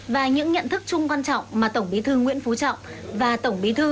và những nhận thức chung quan trọng mà tổng bí thư nguyễn phú trọng và tổng bí thư